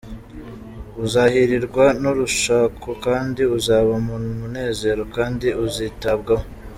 uzahirirwa n’urushako kandi uzaba mu munezero kandi uzitabwaho.